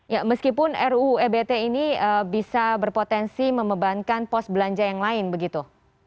ya meskipun ruu ebt ini bisa berpotensi membebankan pos belanja yang lain begitu